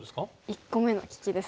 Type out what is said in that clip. １個目の利きですね。